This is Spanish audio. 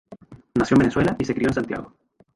Nació en Venezuela y se crio en Santiago.